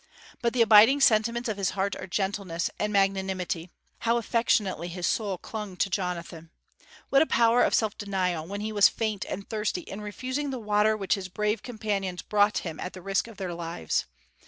But the abiding sentiments of his heart are gentleness and magnanimity. How affectionately his soul clung to Jonathan! What a power of self denial, when he was faint and thirsty, in refusing the water which his brave companions brought him at the risk of their lives!